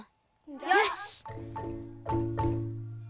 よし。